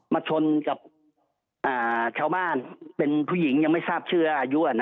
ชนกับชาวบ้านเป็นผู้หญิงยังไม่ทราบชื่ออายุ